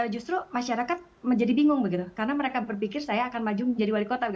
justru masyarakat menjadi bingung karena mereka berpikir saya akan maju menjadi wali kota